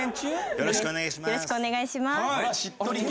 よろしくお願いします。